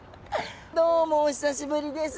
どうもお久しぶりです。